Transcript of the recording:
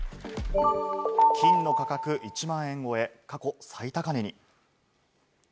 金の価格１万円超え、過去最高値に。